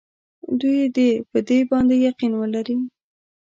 دوی دې په دې باندې یقین ولري.